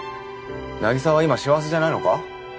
凪沙は今幸せじゃないのか？